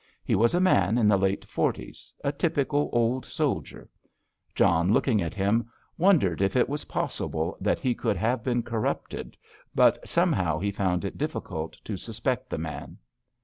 He was a man in the late forties, a typical old soldier. John, looking at him, wondered if it was possible that he could have been corrupted, but somehow he found it difficult to suspect the man.